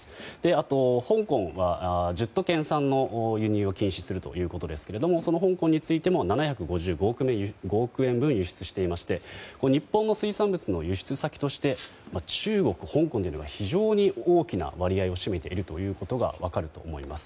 あと、香港は１０都県産の輸入を禁止するということですがその香港についても７５５億円分輸出していまして日本の水産物の輸出先として中国、香港が非常に大きな割合を占めていることが分かると思います。